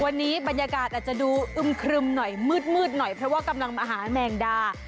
วันนี้บรรยากาศอาจจะดูอึมครึมหน่อยมืดหน่อยเพราะว่ากำลังมาหาแมงดา